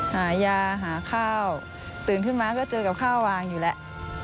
หายาหาข้าวตื่นขึ้นมาก็เจอกับข้าววางอยู่แล้ว